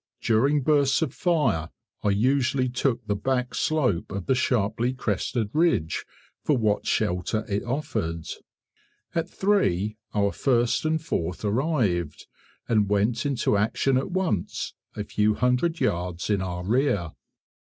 During bursts of fire I usually took the back slope of the sharply crested ridge for what shelter it offered. At 3 our 1st and 4th arrived, and went into action at once a few hundred yards in our rear.